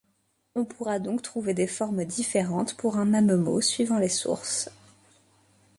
On pourra donc trouver des formes différentes pour un même mot suivant les sources.